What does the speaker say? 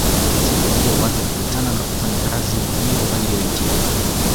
Siku hiyo watu hukutana na kufanya kazi hiyo waliyoitiwa